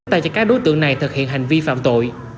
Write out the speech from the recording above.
tại cho các đối tượng này thực hiện hành vi phạm tội